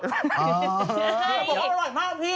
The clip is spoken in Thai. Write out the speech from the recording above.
แต่ผมก็ร้อมมากพี่